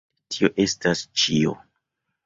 Sed tio estas ĉio.